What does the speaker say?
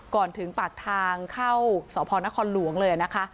ก่อนถึงปากทางเข้าสพนครหลวงเลยนะคะ